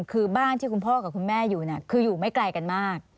คือบ้านที่คุณพ่อกับคุณแม่อยู่เนี่ยคืออยู่ไม่ไกลกันมาก